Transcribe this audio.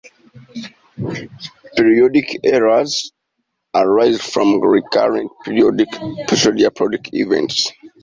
"Periodic errors" arise from recurrent periodic or pseudo-periodic events.